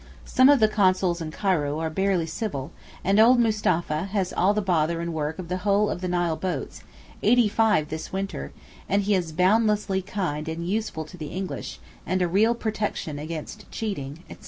Some of the Consuls in Cairo are barely civil, and old Mustapha has all the bother and work of the whole of the Nile boats (eighty five this winter), and he is boundlessly kind and useful to the English, and a real protection against cheating, etc.